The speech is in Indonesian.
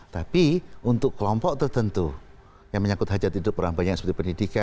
tapi untuk kelompok tertentu yang menyangkut hajat hidup orang banyak seperti pendidikan